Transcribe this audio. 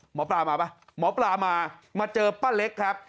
หมอปลามาป่ะหมอปลามามาเจอป้าเล็กครับ